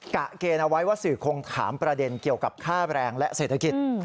ะเกณฑ์เอาไว้ว่าสื่อคงถามประเด็นเกี่ยวกับค่าแรงและเศรษฐกิจ